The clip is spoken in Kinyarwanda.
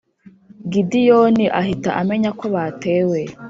Gideyoni ahita amenya ko batewe